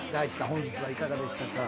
本日はいかがでしたか？